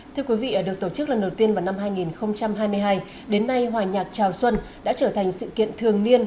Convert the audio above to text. thưa quý vị được tổ chức lần đầu tiên vào năm hai nghìn hai mươi hai đến nay hòa nhạc chào xuân đã trở thành sự kiện thường niên